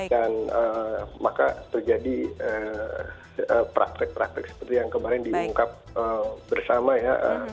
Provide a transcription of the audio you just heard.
dan maka terjadi praktek praktek seperti yang kemarin diungkap bersama ya